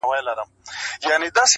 هر غم ځي خو د درد بلا به